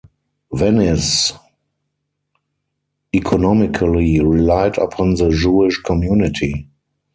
Venice economically relied upon the Jewish community.